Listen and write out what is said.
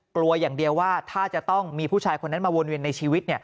กลัวอย่างเดียวว่าถ้าจะต้องมีผู้ชายคนนั้นมาวนเวียนในชีวิต